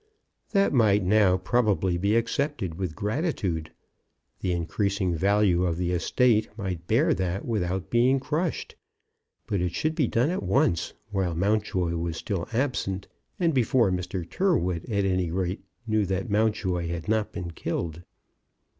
That might now probably be accepted with gratitude. The increasing value of the estate might bear that without being crushed. But it should be done at once, while Mountjoy was still absent and before Mr. Tyrrwhit at any rate knew that Mountjoy had not been killed.